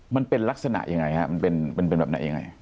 มันเป็นลักษณะยังไงฮะมันเป็นแบบไหนยังไง